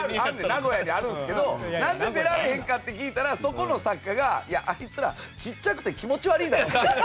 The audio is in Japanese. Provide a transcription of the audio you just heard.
名古屋にあるんですけどなんで出られへんかって聞いたらそこの作家がいやあいつらちっちゃくて気持ち悪いんだよって。